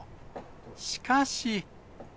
しかし。